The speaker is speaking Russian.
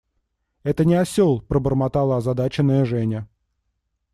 – Это не осел, – пробормотала озадаченная Женя.